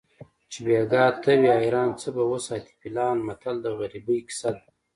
چې بیګا ته وي حیران څه به وساتي فیلان متل د غریبۍ کیسه ده